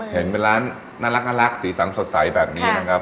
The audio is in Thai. เห็นเป็นร้านน่ารักสีสันสดใสแบบนี้นะครับ